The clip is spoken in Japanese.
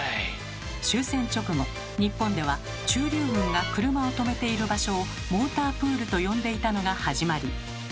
終戦直後日本では駐留軍が車を止めている場所をモータープールと呼んでいたのが始まり。